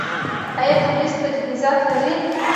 آیا پولیس تجهیزات لري؟